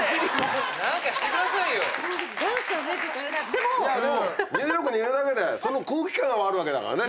でもニューヨークにいるだけでその空気感はあるわけだからね。